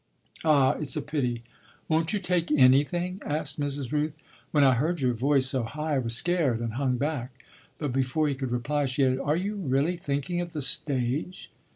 "Ah it's a pity; won't you take anything?" asked Mrs. Rooth. "When I heard your voice so high I was scared and hung back." But before he could reply she added: "Are you really thinking of the stage?"